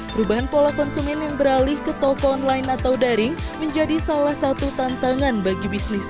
perubahan pola konsumen yang beralih ke toko online atau daring menjadi salah satu tantangan bagi bisnis